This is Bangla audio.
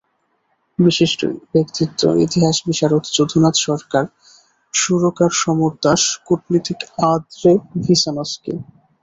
বিশিষ্ট ব্যক্তিত্ব—ইতিহাস বিশারদ যদুনাথ সরকার, সুরকার সমর দাস, কূটনীতিক আঁদ্রে ভিসনস্কি।